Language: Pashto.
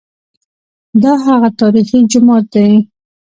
دا هغه تاریخي جومات دی.